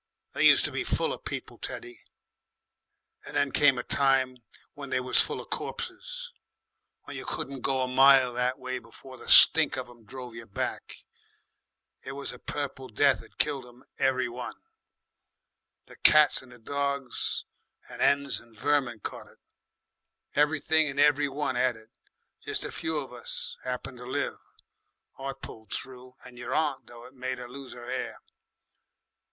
They used to be full of people, Teddy, and then came a time when they was full of corpses, when you couldn't go a mile that way before the stink of 'em drove you back. It was the Purple Death 'ad killed 'em every one. The cats and dogs and 'ens and vermin caught it. Everything and every one 'ad it. Jest a few of us 'appened to live. I pulled through, and your aunt, though it made 'er lose 'er 'air.